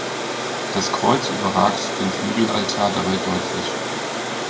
Das Kreuz überragt den Flügelaltar dabei deutlich.